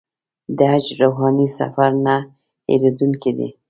د حج روحاني سفر نه هېرېدونکی دی.